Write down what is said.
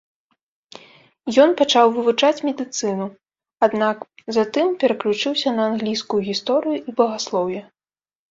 Ён пачаў вывучаць медыцыну, аднак затым пераключыўся на англійскую гісторыю і багаслоўе.